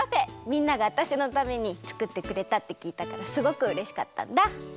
みんながわたしのためにつくってくれたってきいたからすごくうれしかったんだ。